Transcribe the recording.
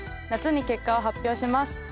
夏に結果を発表します。